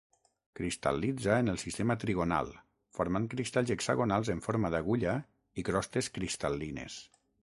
Cristal·litza en el sistema trigonal formant cristalls hexagonals en forma d'agulla i crostes cristal·lines.